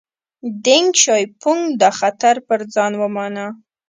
دینګ شیاپونګ دا خطر پر ځان ومانه.